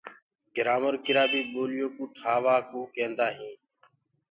گرآمر ڪِرآ بي بوليو ڪيِ بنآوٽي ڪوُ ڪيندآ هينٚ۔